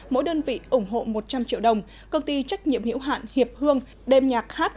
mỗi đơn vị ủng hộ một trăm linh triệu đồng công ty trách nhiệm hiểu hạn hiệp hương đêm nhạc hát